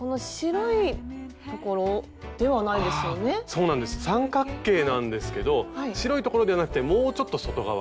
そうなんです三角形なんですけど白い所ではなくてもうちょっと外側。